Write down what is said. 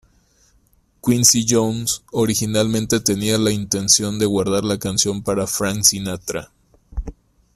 Quincy Jones originalmente tenía la intención de guardar la canción para Frank Sinatra.